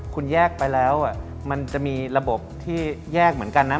คุณแยกไปแล้วมันจะมีระบบที่แยกเหมือนกันนะ